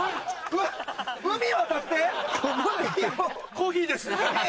コーヒーです。